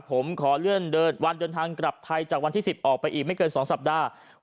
ผมขอเลื่อนวันเดินทางกลับไทยจากวันที่๑๐ออกไปอีกไม่เกิน๒สัปดาห์